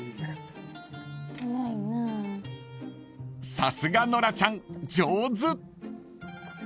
［さすがノラちゃん上手！］